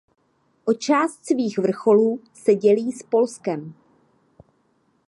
O část svých vrcholů se dělí s Polskem.